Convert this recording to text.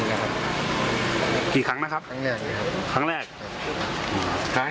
กี่ครั้งนะครับครั้งแรกครั้งแรกครั้งแรกครั้งแรกครั้งแรกครั้งแรก